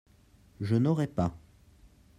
Je n'aurai pas.